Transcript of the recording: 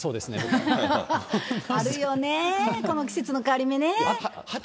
あるよね、この季節の変わり目ね。